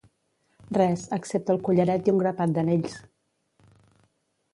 Res, excepte el collaret i un grapat d'anells!